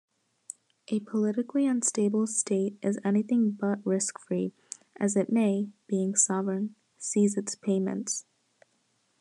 A politically unstable state is anything but risk-free as it may-being sovereign-cease its payments.